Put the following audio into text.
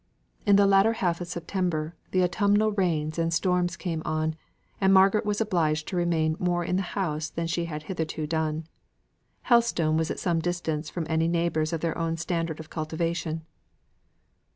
In the latter half of September, the autumnal rains and storms came on, and Margaret was obliged to remain more in the house than she had hitherto done. Helstone was at some distance from any neighbours of their own standard of cultivation.